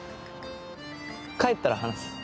帰ったら話す。